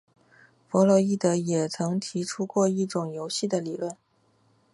弗洛伊德也曾提出过一种游戏的理论。